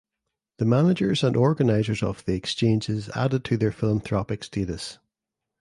The managers and organizers of the exchanges added to their philanthropic status.